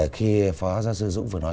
khi phó giáo sư dũng vừa nói